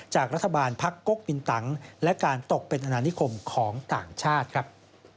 จากรัฐบาลพักก๊กปินตังและการตกเป็นอนานิคมของต่างชาติครับ